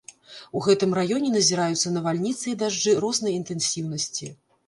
У гэтым раёне назіраюцца навальніцы і дажджы рознай інтэнсіўнасці.